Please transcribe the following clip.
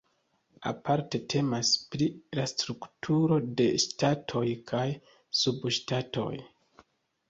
Aparte temas pri la strukturo de ŝtatoj kaj subŝtatoj.